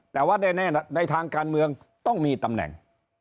แต่ว่าแน่ในทางการเมืองต้องมีตำแหน่ง